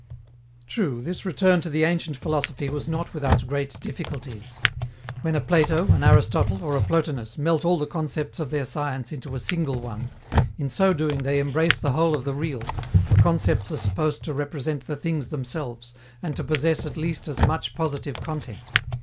True, this return to the ancient philosophy was not without great difficulties. When a Plato, an Aristotle, or a Plotinus melt all the concepts of their science into a single one, in so doing they embrace the whole of the real, for concepts are supposed to represent the things themselves, and to possess at least as much positive content.